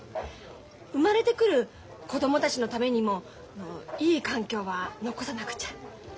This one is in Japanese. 生まれてくる子供たちのためにもいい環境は残さなくちゃ。